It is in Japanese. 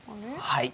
はい。